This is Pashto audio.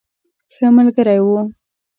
ښه ملګری وو.